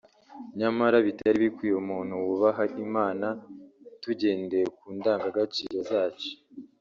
nyamara bitari bikwiye umuntu wubaha Imana tugendeye ku ndanga gaciro zacu